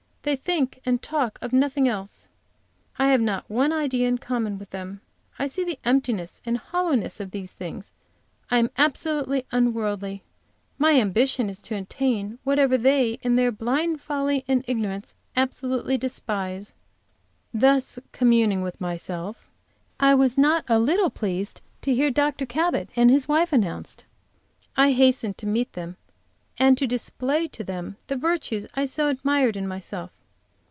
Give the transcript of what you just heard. They think and talk of nothing else; I have not one idea in common with them. I see the emptiness and hollowness of these things. I am absolutely unworldly; my ambition is to attain whatever they, in their blind folly and ignorance, absolutely despise." Thus communing with myself, I was not a little pleased to hear Dr. Cabot and his wife announced. I hastened to meet them and to display to them the virtues I so admired in myself.